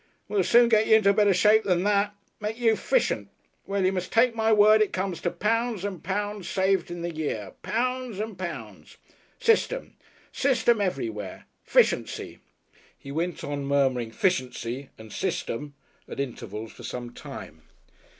We'll soon get y'r into better shape than that. Make you Fishent. Well, y'r must take my word, it comes to pounds and pounds saved in the year pounds and pounds. System! System everywhere. Fishency." He went on murmuring "Fishency" and "System" at intervals for some time.